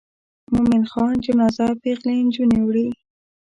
د مومن خان جنازه پیغلې نجونې وړي.